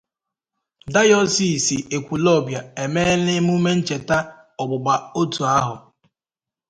Dayọsiisi Ekwulọbịa Emeela Emume Ncheta Ọgbụgba Otu Ahọ